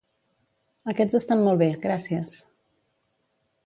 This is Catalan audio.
Aquests estan molt bé, gràcies.